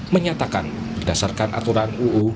menyatakan berdasarkan aturan uu